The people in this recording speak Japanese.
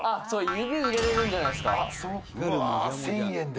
「指入れれるんじゃないですか？」